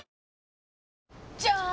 じゃーん！